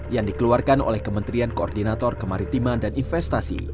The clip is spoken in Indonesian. yang dikeluarkan oleh kementerian koordinator kemaritiman dan investasi